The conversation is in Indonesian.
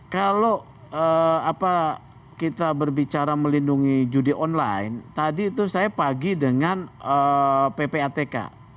kalau kita berbicara melindungi judi online tadi itu saya pagi dengan ppatk